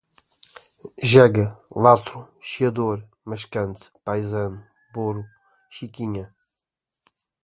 jega, latro, chiador, mascante, paizano, boro, chiquinha